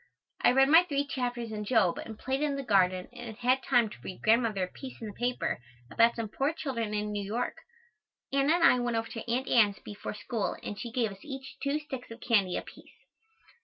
I read my three chapters in Job and played in the garden and had time to read Grandmother a piece in the paper about some poor children in New York. Anna and I went over to Aunt Ann's before school and she gave us each two sticks of candy apiece.